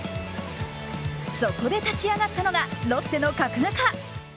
そこで立ち上がったのがロッテの角中。